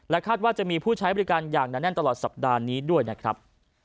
คาดว่าจะมีผู้ใช้บริการอย่างหนาแน่นตลอดสัปดาห์นี้ด้วยนะครับ